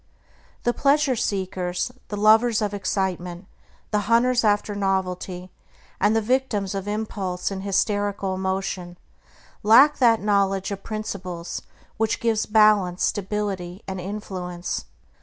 The pleasure seekers, the lovers of excitement, the hunters after novelty, and the victims of impulse and hysterical emotion lack that knowledge of principles which gives balance, stability, and influence.